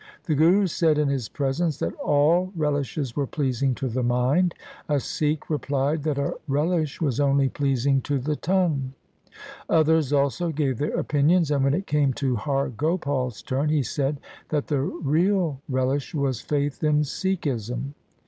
The Guru said in his presence, that all relishes were pleasing to the mind. A Sikh replied that a relish was only pleasing to the tongue. Others also gave their opinions, and when it came to Har Gopal's turn, he said that the real relish was faith in Sikhism.